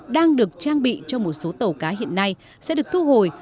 đang được trang bị cho một số tàu cá hiện nay sẽ được thu hồi